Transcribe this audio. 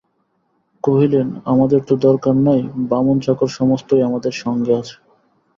কহিলেন, আমাদের তো দরকার নাই–বামুন-চাকর সমস্তই আমাদের সঙ্গে আছে।